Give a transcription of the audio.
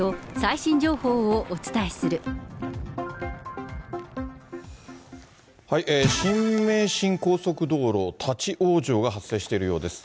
新名神高速道路立往生が発生しているようです。